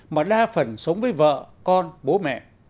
mà đa phần sống với vợ con bố mẹ